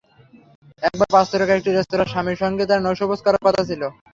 একবার পাঁচতারকা একটি রেস্তোরাঁয় স্বামীর সঙ্গে তাঁর নৈশভোজ করার কথা ছিল।